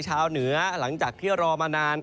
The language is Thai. เหนือหลังจากที่รอมานาน